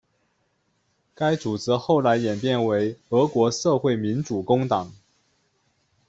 该组织后来演变为俄国社会民主工党。